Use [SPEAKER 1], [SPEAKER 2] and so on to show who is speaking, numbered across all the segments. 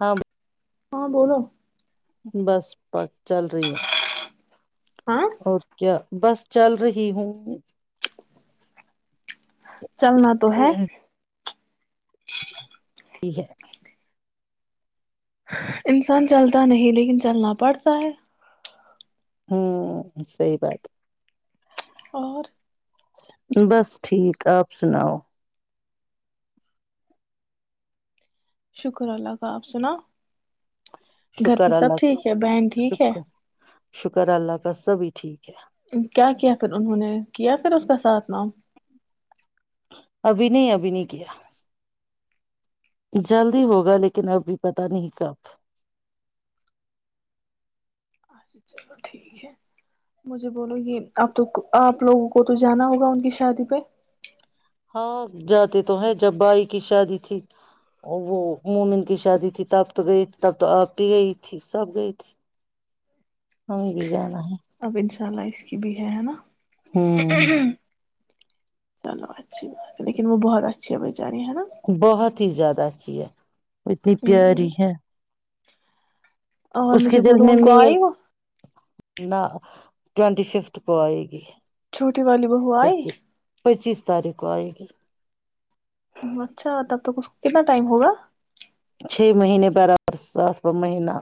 [SPEAKER 1] ہ [unintelligible]
[SPEAKER 2] ہاں بولو
[SPEAKER 1] بس پک چل رہی ہے
[SPEAKER 2] ہاں
[SPEAKER 1] اور کیا بس چل رہی ہوں
[SPEAKER 2] چلنا تو ہے
[SPEAKER 1] ٹھیک ٹھیک ہے [unintelligible]
[SPEAKER 2] انسان چلتا نہیں لیکن چلنا بڑتا ہے
[SPEAKER 1] ہان سحی بات
[SPEAKER 2] اور
[SPEAKER 1] بس ٹھیک آپ سناؤ
[SPEAKER 2] شکر اللہ کا آپ سناو گھر پہ
[SPEAKER 1] شکر
[SPEAKER 2] سب
[SPEAKER 1] اللہ
[SPEAKER 2] ٹھیک ہے بہن ٹھیک ہے
[SPEAKER 1] شکر شکر اللہ کا سبھی ٹھیک ہے
[SPEAKER 2] کیا کیا پھر انہوں نے کیا پھر اس کا ساتھ نام
[SPEAKER 1] ابھی نہیں ابھی نہیں کیا جلدی ہوگا لیکن ابھی پتہ نہیں کب
[SPEAKER 2] اچھا چلو ٹھیک ہے مجھے بولو یہ اب تو آپ لوگوں کو تو جانا ہوگا ان کی شادی پے
[SPEAKER 1] ہاں جاتے تو ہے جب بائی کی شادی تھی وہ مومن کی شادی تھی تب تو گئی تب تو آپ بھی گئی تھی سب گئی تھی ہمیں بھی جانا ہے
[SPEAKER 2] اب انشاء اللہ اس کی بھی ہے ہے نا
[SPEAKER 1] ہوں
[SPEAKER 2] چلو اچھی بات ہے لیکن وہ بہت اچھی ہے بیچاری ہے نا
[SPEAKER 1] بہت ہی زیادہ ہے جی ہے اتنی
[SPEAKER 2] ہ
[SPEAKER 1] پیاری ہے
[SPEAKER 2] اور
[SPEAKER 1] اس کے
[SPEAKER 2] مجھے
[SPEAKER 1] دل
[SPEAKER 2] بولو
[SPEAKER 1] میں
[SPEAKER 2] ان کو
[SPEAKER 1] میل
[SPEAKER 2] آئی وہ
[SPEAKER 1] نہ ٹوینٹی ففتھ کو آئے گی
[SPEAKER 2] چھوٹی والی بہو آئی
[SPEAKER 1] پچیس پچیس تاریخ کو آئی گی
[SPEAKER 2] اچھا تب تک اس کو کتنا ٹائم ہوگا
[SPEAKER 1] چھ مہینے برابر سات مہینہ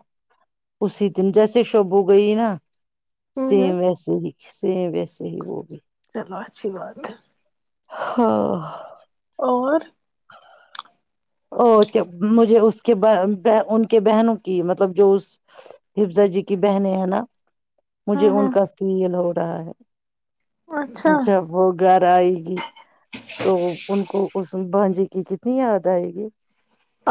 [SPEAKER 1] اسی دن جیسے شبو گئی نا
[SPEAKER 2] ہ ہ
[SPEAKER 1] سیم ویسے ہی سیم ویسے ہی صحی وبی
[SPEAKER 2] چلو اچھی بات ہے
[SPEAKER 1] ہاں
[SPEAKER 2] اور
[SPEAKER 1] اور کیا مجھے اس کے ان کے بہنوں کی مطلب جو اس حفظا جی کی بہنیں ہیں نا
[SPEAKER 2] ہاں
[SPEAKER 1] مجھے ان
[SPEAKER 2] ہاں
[SPEAKER 1] کا فیل ہو رہ ہے
[SPEAKER 2] اچھا
[SPEAKER 1] [unintelligible] جب وہ گھر آئے گی تو ان کو اس بانجی کی کتنی یاد آئے گی جی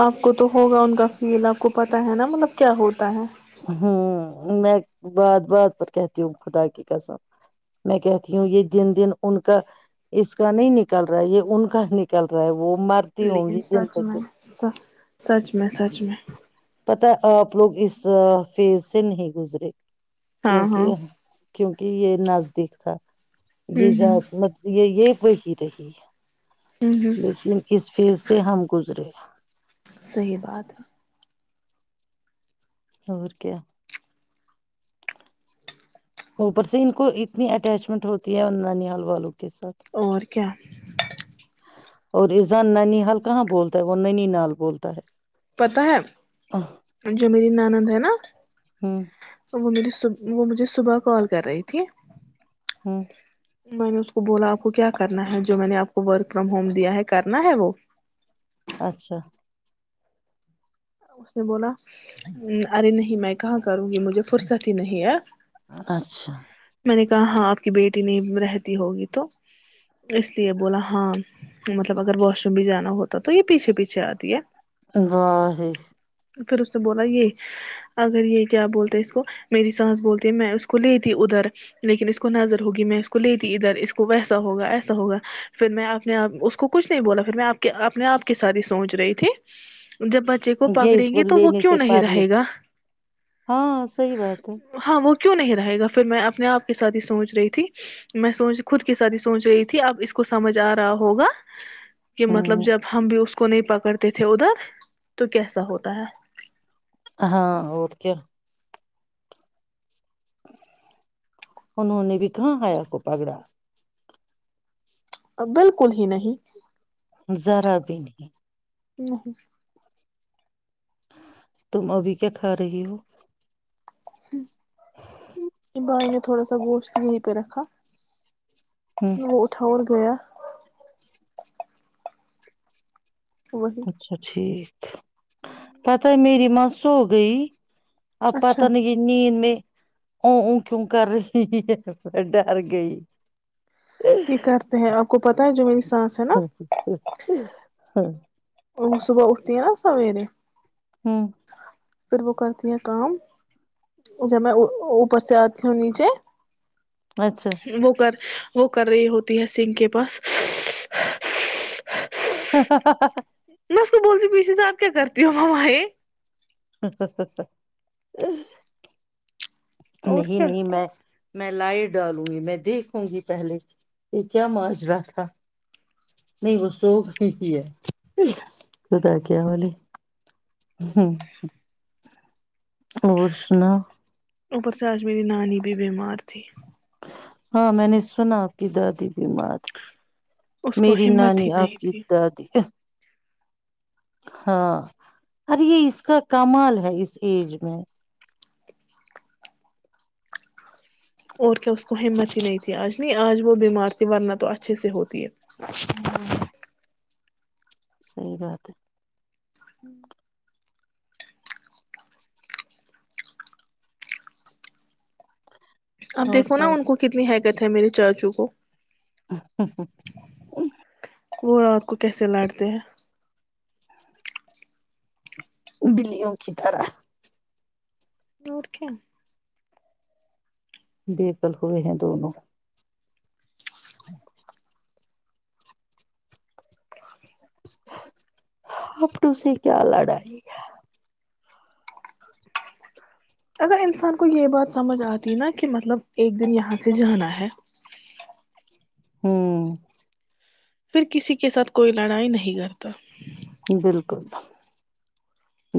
[SPEAKER 2] آپ کو تو ہوگا ان کا فیل اب کو پتا ہینا مطلب کیا ہوتا ہے
[SPEAKER 1] ہمم میں بات بات پر کہتی ہوں خدا کی قسم میں کہتی ہوں یہ دن دن ان کا اس کا نہیں نکل رہا ہے یہ ان کا نکل رہا ہے وہ مرتی ہوں
[SPEAKER 2] لیکن
[SPEAKER 1] گی دن
[SPEAKER 2] سچ
[SPEAKER 1] ب
[SPEAKER 2] میں
[SPEAKER 1] دن
[SPEAKER 2] س سچ میں سچ میں
[SPEAKER 1] پتا ہیں آپ لوگ اس فیز سے نہیں گزرے
[SPEAKER 2] ہاں ہاں
[SPEAKER 1] کیونکہ کیونک کہ یہ نزدیک تھا
[SPEAKER 2] ہوں
[SPEAKER 1] یہ ج
[SPEAKER 2] ہوں
[SPEAKER 1] مطل یہ یہ و ہی رہی
[SPEAKER 2] ہوں ہوں
[SPEAKER 1] لیکن اس فیز سے ہم گزرے
[SPEAKER 2] صحیح بات ہے
[SPEAKER 1] اور کیا اوپر سے ان کو اتنی اٹیچمنٹ ہوتی ہے نانیہال والوں کی
[SPEAKER 2] اور کیا
[SPEAKER 1] اور اسزان ننی حال کہاں بولتا ہے وہ ننی نال بولتا ہے
[SPEAKER 2] پتا ہے جو میری نانند ہے نا
[SPEAKER 1] ہ
[SPEAKER 2] وہ میری وہ مجھے صبح کال کر رہی تھی
[SPEAKER 1] ہممم
[SPEAKER 2] میں نے اس کو بولا آپ کو کیا کرنا ہے جو میں نے آپ کو ورک فرام ہوم دیا ہے کرنا ہے وہ
[SPEAKER 1] اچھا
[SPEAKER 2] اس نے بولا ارے نہیں میں کہاں کروں گی مجھے فرصت ہی نہیں ہے
[SPEAKER 1] اچھا
[SPEAKER 2] میں نے کہا ہاں آپ کی بیٹی نہیں رہتی ہوگی تو اس لیے بولا ہاں مطلب اگر واش روم بھی جانا ہوتا تو یہ پیچھے پیچھے آتی ہے
[SPEAKER 1] [inaudible]
[SPEAKER 2] پھر اس نے بولا یہ اگر یہ کیا بولتے اس کو میری سانس بولتی میں اس کو لیتی ادھر لیکن اس کو نظر ہوگی میں اس کو لیتی ادھر اس کو ویسا ہوگا ایسا ہوگا پھر میں اپنے آپ اس کو کچھ نہیں بولا پھر میں اپنے آپ کے سات ہی سوچ رہی تھی جب بچے کو
[SPEAKER 1] کہ
[SPEAKER 2] پکڑیں
[SPEAKER 1] اس کو
[SPEAKER 2] گے تو وہ
[SPEAKER 1] لینے
[SPEAKER 2] کیوں
[SPEAKER 1] سے
[SPEAKER 2] نہیں رہے
[SPEAKER 1] پرہیز
[SPEAKER 2] گا
[SPEAKER 1] ہاں صحی بات ہے
[SPEAKER 2] ہاں وہ کیوں نہیں رہے گا پھر میں اپنے آپ کے ساتھ ہی سوچ رہی تھی میں سوچ خود کے سات ہی سوچ رہی تھی اب اس کو سمجھ آ رہا ہوگا کہ مطلب
[SPEAKER 1] ہمم
[SPEAKER 2] جب ہم بھی اس کو نہیں پکڑتے تھے ادھر تو کیسا ہوتا ہے
[SPEAKER 1] ہاں اور کیا انہوں نے بھی کہاں حیا کو پگڑا
[SPEAKER 2] بالکل ہی نہیں
[SPEAKER 1] ذرا بھی نہیں
[SPEAKER 2] [inaudible]
[SPEAKER 1] تم ابھی کیا کھا رہی ہو
[SPEAKER 2] [inaudible] [unintelligible] تھوڑا سا گوشت یہی پیے رکھا
[SPEAKER 1] ہمم
[SPEAKER 2] وہ اٹھا اور ہویا وہی
[SPEAKER 1] اچھا ٹھیک پتا ہے میری میں سو گئی اب
[SPEAKER 2] اچھا
[SPEAKER 1] پتانہیں میں ا ا کیوں کر رہی ہے میں ڈر گئی
[SPEAKER 2] یہ کرتے ہیں آپ کو پتا پتا ہے جو میری سانس ہے نا
[SPEAKER 1] [inaudible]
[SPEAKER 2] وہ صبح اٹھتی ہے نا سویرے ر
[SPEAKER 1] ہمم
[SPEAKER 2] پھر وہ کرتی ہیں کام جب میں اوپر سے آتی ہوں
[SPEAKER 1] اچھا
[SPEAKER 2] نیچے وہ کر وہ کر رہی ہوتی ہے سنگھ کے پاس
[SPEAKER 1] ہا ہا ہا
[SPEAKER 2] میں اس کو بولتی ہوں پیچے سے آپ کیا کرتی ہو مما ییے
[SPEAKER 1] [inaudible]
[SPEAKER 2] اور
[SPEAKER 1] نہیں
[SPEAKER 2] کیا
[SPEAKER 1] نہیں میں میں لائٹ ڈالوں گی میں دیکھوں گی پہلے یہ کیا ماجرا تھا نہیں وہ سو گئی ہے خدا کے حوالے اور سناو
[SPEAKER 2] اوپر سے آج میری نانی بھی بیمار تھی
[SPEAKER 1] ہاں میں نے سنا آپ کی دادی بیمار تھی
[SPEAKER 2] اس کو
[SPEAKER 1] میری
[SPEAKER 2] ہمت
[SPEAKER 1] نانی
[SPEAKER 2] ہی
[SPEAKER 1] آپ
[SPEAKER 2] نہیں
[SPEAKER 1] کی
[SPEAKER 2] تھی
[SPEAKER 1] دادی ہے ہاں ارے یہ اس کا کمال ہے اس ایج میں
[SPEAKER 2] اور اس کو ہمت ہی نہیں تھی آج نہیں آج وہ بیمار تھی ورنہ تو اچھے سے ہوتی ہے
[SPEAKER 1] [unintelligible] صحیح بات ہے
[SPEAKER 2] [inaudible] اب
[SPEAKER 1] ہے اور
[SPEAKER 2] دیکھو نا ان
[SPEAKER 1] بات
[SPEAKER 2] کو کتنی ہے ہے میرے چاچو کو وہ رات کو کیسے لڑتے ہیں
[SPEAKER 1] [inaudible] بلیوں کی طرح
[SPEAKER 2] اور کیا
[SPEAKER 1] بےقل ہوئے ہیں دونوں [inaudible] اب تجھ سے کیا لڑائی ہے
[SPEAKER 2] اگر انسان کو یہ بات سمجھ آتی نا کہ مطلب ایک دن یہاں سے جانا ہے
[SPEAKER 1] ہوں
[SPEAKER 2] پھر کسی کے ساتھ کوئی لڑائی نہیں کرتا
[SPEAKER 1] بالکل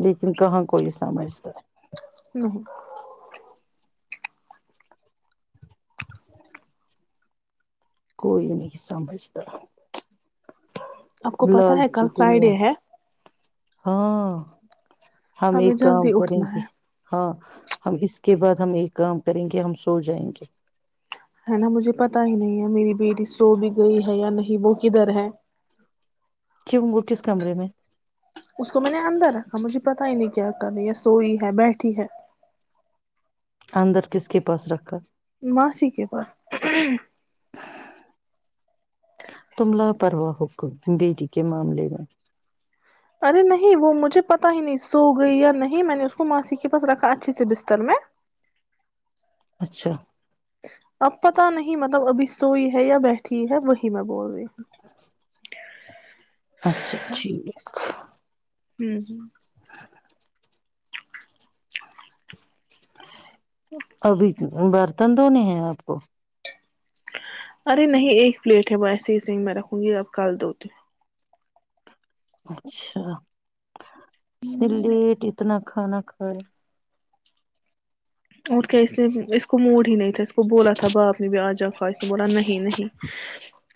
[SPEAKER 1] لیکن کہاں کوئی سمجھتا ہے
[SPEAKER 2] [unintelligible]
[SPEAKER 1] کوئی نہیں سمبجھ طرح
[SPEAKER 2] آپ کو پتہ ہے کل
[SPEAKER 1] دنیا
[SPEAKER 2] فرائیڈے ہے
[SPEAKER 1] ہاں ہم
[SPEAKER 2] ہمیں
[SPEAKER 1] ایک کام
[SPEAKER 2] جلدی
[SPEAKER 1] کریں
[SPEAKER 2] اٹھنا
[SPEAKER 1] گے
[SPEAKER 2] ہے
[SPEAKER 1] ہاں ہم اس کے بعد ہم ایک کام کریں گے ہم سو جائیں گے
[SPEAKER 2] ہے نا مجھے پتا ہی نہیں ہے میری بیٹی سو بھی گئی ہے یا نہیں وہ کدھر ہے
[SPEAKER 1] کیوں وہ کس کمرے میں ہے
[SPEAKER 2] اس کو میں نے اندر رکھا مجھے پتا ہی نہیں کیا کرری ہے سوئی ہے بیٹھی ہے
[SPEAKER 1] اندر کس کے پاس رکھا
[SPEAKER 2] ماسی کے پاس
[SPEAKER 1] تم لا پرواہ ہو بیٹی کے معاملے میں
[SPEAKER 2] ارے نہیں وہ مجھے پتا ہی نہیں سو گئی یا نہیں میں نے اس کو ماسی کے پاس رکھا اچھے سے بستر میں
[SPEAKER 1] اچھا
[SPEAKER 2] اب پتا نہیں مطلب ابھی سوئی ہے یا بیٹھی ہے وہی میں بول رہی ہوں
[SPEAKER 1] اچھا ٹھیک ہے
[SPEAKER 2] ہوں ہ
[SPEAKER 1] [unintelligible] ابھی تو بر دندونے ہیں آپ کو
[SPEAKER 2] ارے نہیں ایک پلیٹ ہے میں ایسے ہیس ہی میں رکھوں گی اب کل دو تو
[SPEAKER 1] اچھا اس نے لیٹ اتنا کھانا کھائے
[SPEAKER 2] اور کیا اس لیے اس کو موڑ ہی نہیں تھا اس کو بولا تھا باپ نے بھی آ جا کا اسے بولا نہیں نہیں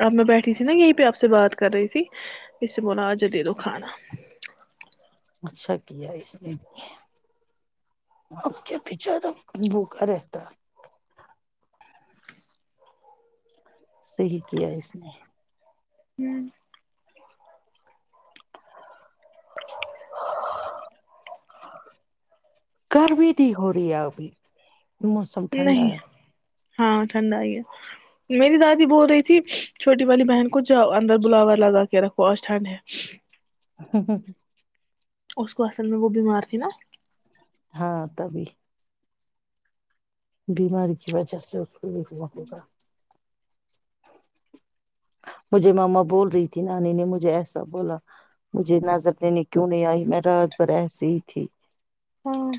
[SPEAKER 2] اب میں بیٹھی تھی نا یہیں پہ آپ سے بات کر رہی تھی اس سے بولا آج دے دو کھانا
[SPEAKER 1] اچھا کیا اس نے بھی اب کیا بچارا بھوکا رہتا صحیح کیا اس نے
[SPEAKER 2] ہوں
[SPEAKER 1] گ بھی نہیں ہو رہی ہے ابھی موسم ٹھنڈا
[SPEAKER 2] نہیں
[SPEAKER 1] ہے
[SPEAKER 2] ہاں ٹھنڈ آ ہی ہے میری دادی بول رہی تھی چھوٹی والی بہن کو جاؤ انندر بلاوور لگا کے رکھو آج ٹھنڈ ہے
[SPEAKER 1] [unintelligible]
[SPEAKER 2] اس کو اصل میں وہ بیمار تھی نا
[SPEAKER 1] ہاں تبھی بیماری کی وجہ سے [unintelligible] مجھے ماما بول رہی تھی نانی نے مجھے ایسا بولا مجھے نظر دینے کیوں نہیں آئی میں رات بھر ایسی ہی تھی
[SPEAKER 2] ہاں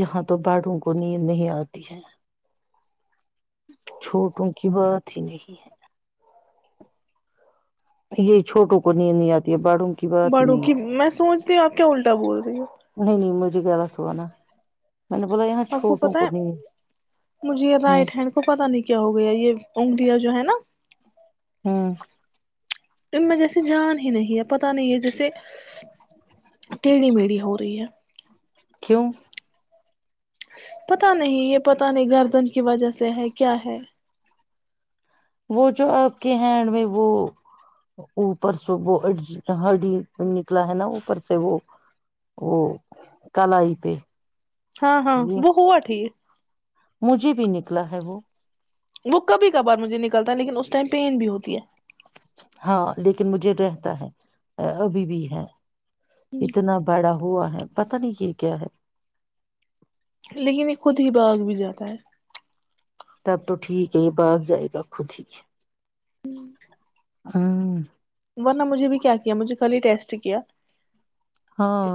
[SPEAKER 1] یہاں تو بڑوں کو نیند نہیں آتی ہے چھوٹوں کی بات ہی نہیں ہے یہ چھوٹوں کو نید نہیں آتی ہے بڑھو کی بات ہی
[SPEAKER 2] بڑوں
[SPEAKER 1] نہیں ہے
[SPEAKER 2] کی
[SPEAKER 1] آ
[SPEAKER 2] میں سوچتی ہوں آپ کیا الٹا بول رہی ہو
[SPEAKER 1] نہیں نہیں م [inaudible]
[SPEAKER 2] آپ کو پتا ہے مجھے
[SPEAKER 1] ہوں
[SPEAKER 2] رائٹ ہینڈ کو پتا نہیں کیا ہو گیا یہ جو ہے نا
[SPEAKER 1] [inaudible]
[SPEAKER 2] ان میں جیسی جان ہی نہیں ہے پتا نہیں ہے جیسے ٹیڈی میڑھی ہو رہی ہے
[SPEAKER 1] کیوں
[SPEAKER 2] پتا نہیں یہ پتا نہیں گردن کی وجہ سے ہے کیا ہے
[SPEAKER 1] وہ جو آپ کے ہینڈ میں وہ اوپر سے وہ ہڈی نکلا ہے نا اوپر سے وہ وہ کلائی پہ
[SPEAKER 2] ہاں ہاں وہ ہوا ٹھیک
[SPEAKER 1] مجھے بھی نکلا ہے وہ
[SPEAKER 2] وہ کبھی کبھار مجھے نکلتا ہے لیکن اس ٹائم پین بھی ہوتی ہے
[SPEAKER 1] ہاں لیکن مجھے رہتا ہے ابھی بھی ہے اتنا بڑا ہوا ہے پتا نہیں یہ کیا ہے
[SPEAKER 2] لیکن یہ خود ہی باغ بھی جاتا ہے
[SPEAKER 1] تب تو ٹھیک ہے یہ باغ جائے گا خود ہی ہاں
[SPEAKER 2] ورنہ مجھے بھی کیا کیا مجھے کل ہی ٹیسٹ کیا
[SPEAKER 1] ہاں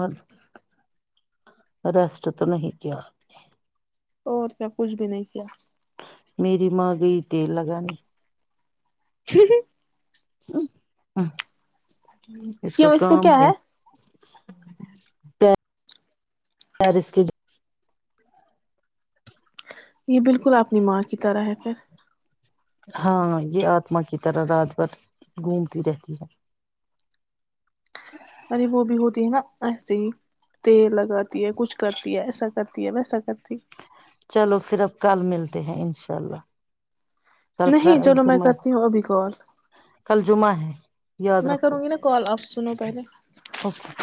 [SPEAKER 1] ریسٹ تو نہیں کیاآپ نے
[SPEAKER 2] اور کیا کچھ بھی نہیں کیا
[SPEAKER 1] میری ماں گئی تیل لگانے
[SPEAKER 2] ہ
[SPEAKER 1] ا ہ اس پہ
[SPEAKER 2] کیوں کو
[SPEAKER 1] کام
[SPEAKER 2] کیا
[SPEAKER 1] ہے پیرس کے
[SPEAKER 2] یہ بالکل اپنی ماں کی طرح ہے پھر
[SPEAKER 1] ہاں یہ آتما کی طرح رات بھر گھومتی رہتی ہے
[SPEAKER 2] اے وہ بھی ہوتی ہے نا ایسے ہی تیر لگاتی ہے کچھ کرتی ہے ایسا کرتی ہے ویسا کرتی
[SPEAKER 1] چلو پھر اب کل ملتے ہیں انشاء اللہ
[SPEAKER 2] نہیں چلو میں
[SPEAKER 1] کل
[SPEAKER 2] کرتی ہوں ابھی کال
[SPEAKER 1] کل جمعہ ہے یاد
[SPEAKER 2] میں
[SPEAKER 1] رکھو
[SPEAKER 2] کروں گی نا کال آ س پ گے
[SPEAKER 1] اوکے